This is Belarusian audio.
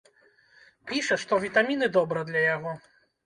Піша, што вітаміны добра для яго.